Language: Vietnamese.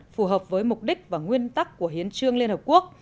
phù hợp với mục đích và nguyên tắc của hiến trương liên hợp quốc